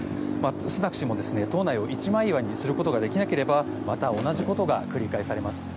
スナク氏も、党内を一枚岩にすることができなければまた同じことが繰り返されます。